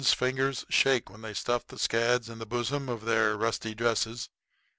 ] The old women's fingers shake when they stuff the skads in the bosom of their rusty dresses.